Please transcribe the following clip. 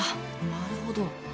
なるほど。